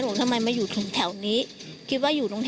แล้วหลังจากนั้นเราขับหนีเอามามันก็ไล่ตามมาอยู่ตรงนั้น